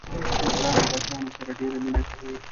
له ګرانو بچیانو سره ډېره مینه کوي.